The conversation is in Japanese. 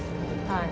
はい。